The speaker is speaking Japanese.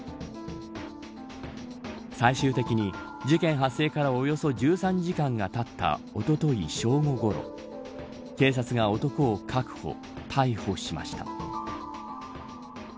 最終的に事件発生からおよそ１３時間が経ったおととい正午ごろ警察が男を確保逮捕しました。